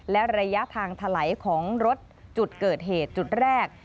และระยะทางถลายของรถจุดเกิดเหตุจุดแรก